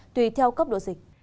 tùy theo cấp độ dịch